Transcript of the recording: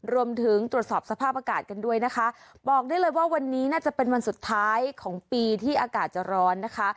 รวมถึงตรวจสอบสภาพอากาศกันด้วยนะคะบอกได้เลยว่าวันนี้น่าจะเป็นวันสุดท้ายของปีที่อากาศจะร้อนนะคะ